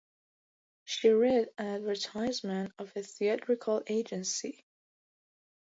She read an advertisement of a theatrical agency.